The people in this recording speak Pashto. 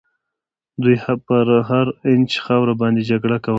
دوی پر هر اینچ خاوره باندي جګړه کوله.